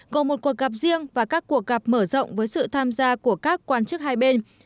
gồm một cuộc gặp riêng và các cuộc gặp mở rộng với sự tham gia của các quan chức hai bên